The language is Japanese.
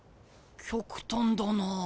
極端だな。